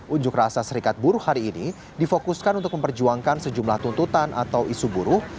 unjuk rasa serikat buruh hari ini difokuskan untuk memperjuangkan sejumlah tuntutan atau isu buruh